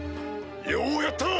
ようやった！